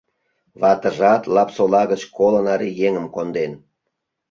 Ватыжат Лапсола гыч коло наре еҥым конден.